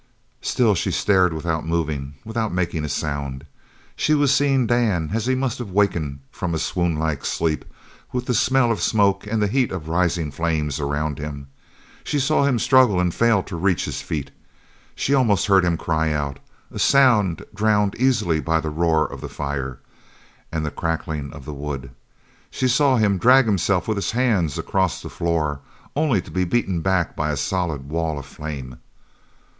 Still she stared without moving, without making a sound. She was seeing Dan as he must have wakened from a swoonlike sleep with the smell of smoke and the heat of rising flames around him. She saw him struggle, and fail to reach his feet. She almost heard him cry out a sound drowned easily by the roar of the fire, and the crackling of the wood. She saw him drag himself with his hands across the floor, only to be beaten back by a solid wall of flame.